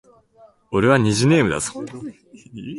俺は虹ネームだぞ